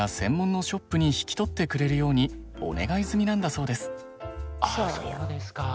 そうですか。